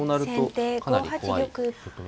先手５八玉。